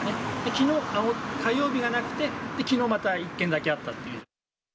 きのう、火曜日がなくて、きのうまた１件だけあったっていう。